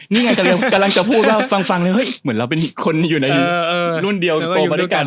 นี่ไงกำลังจะพูดว่าฟังแล้วเฮ้ยเหมือนเราเป็นคนอยู่ในรุ่นเดียวโตมาด้วยกัน